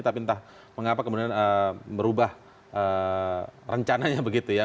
tapi entah mengapa kemudian merubah rencananya begitu ya